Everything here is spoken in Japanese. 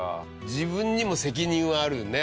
自分にも責任はあるよね。